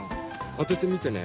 当ててみてね。